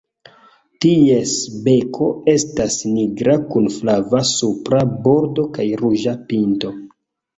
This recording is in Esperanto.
Ties beko estas nigra kun flava supra bordo kaj ruĝa pinto.